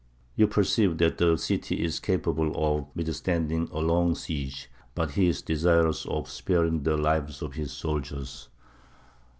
You perceive that the city is capable of withstanding a long siege; but he is desirous of sparing the lives of his soldiers.